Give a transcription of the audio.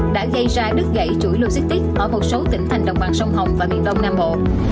đã gây ra đứt gãy chuỗi logistic ở một số tỉnh thành đồng bằng sông hồng và miền đông nam bộ